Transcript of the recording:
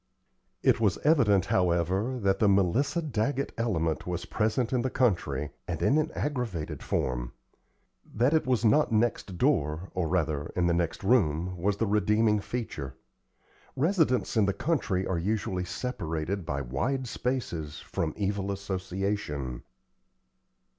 It was evident, however, that the Melissa Daggett element was present in the country, and in an aggravated form. That it was not next door, or, rather, in the next room, was the redeeming feature. Residents in the country are usually separated by wide spaces from evil association.